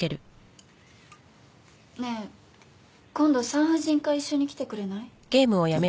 ねえ今度産婦人科一緒に来てくれない？